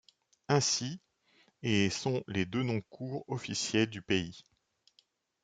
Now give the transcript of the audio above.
Ainsi, et sont les deux noms courts officiels du pays.